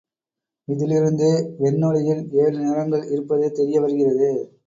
இதிலிருந்து வெண்ணொளியில் ஏழு நிறங்கள் இருப்பது தெரிய வருகிறது.